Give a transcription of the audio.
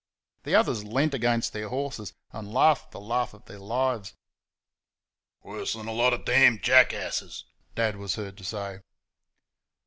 The others leant against their horses and laughed the laugh of their lives. "Worse 'n a lot of d d jackasses," Dad was heard to say.